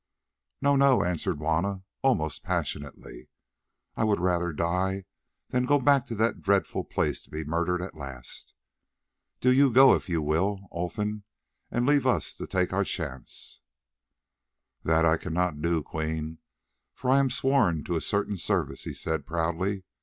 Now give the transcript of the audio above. "No, no," answered Juanna almost passionately, "I would rather die than go back to that dreadful place to be murdered at last. Do you go if you will, Olfan, and leave us to take our chance." "That I cannot do, Queen, for I am sworn to a certain service," he said proudly.